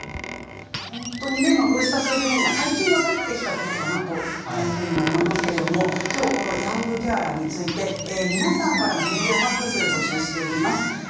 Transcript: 本当にこうした数字も最近分かってきたことかなというふうに思いますけれどもきょう、ヤングケアラーについて皆さんからもメールやファックスを募集していきます。